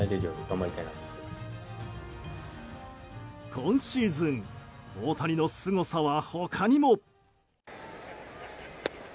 今シーズン大谷のすごさは他にも。